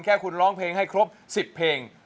แค่คุณร้องเพลงให้ครบ๑๐เพลง